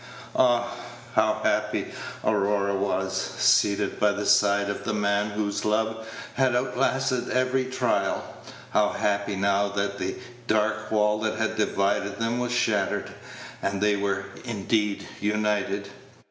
Ah! how happy Aurora was, seated by the side of the man whose love had outlasted every trial! How happy now that the dark wall that had divided them was shattered, and they were indeed united!